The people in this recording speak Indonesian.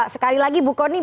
sekali lagi bu kony